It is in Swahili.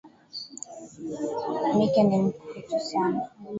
Mike ni mtukutu sana.